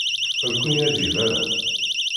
Ur ken-yeɛjib ara?